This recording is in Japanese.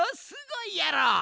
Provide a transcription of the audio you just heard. すごいやろ。